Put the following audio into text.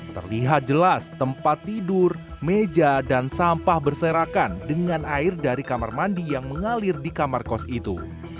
terlihat jelas tempat tidur meja dan sampah berserakan dengan air dari kamar mandi yang mengalir di kamar kos itu